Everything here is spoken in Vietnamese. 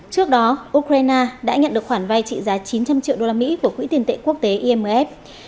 trước đó ukraine đã nhận được khoản vay trị giá chín trăm linh triệu usd của quỹ tiền tệ quốc tế imf